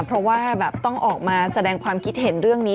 เพราะว่าแบบต้องออกมาแสดงความคิดเห็นเรื่องนี้